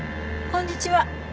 こんにちは。